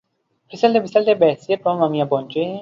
پھسلتے پھسلتے بحیثیت قوم ہم یہاں پہنچے ہیں۔